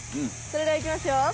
それではいきますよ。